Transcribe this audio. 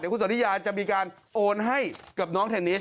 คุณสนทิยาจะมีการโอนให้กับน้องเทนนิส